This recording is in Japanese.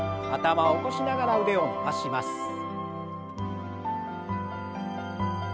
頭を起こしながら腕を伸ばします。